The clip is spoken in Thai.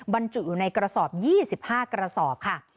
บรรจุอยู่ในกระสอบ๒๕กระสอบค่ะ